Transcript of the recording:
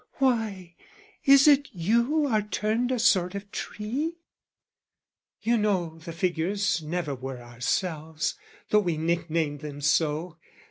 "Why is it you are turned a sort of tree?" You know the figures never were ourselves Though we nicknamed them so.